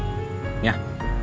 benar juga sih